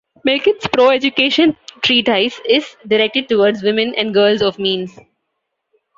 Makin's pro-education treatise is directed towards women and girls of means.